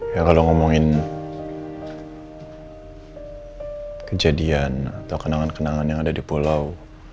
ya kalau ngomongin kejadian atau kenangan kenangan yang ada di pulau